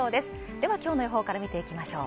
では今日の方から見ていきましょう。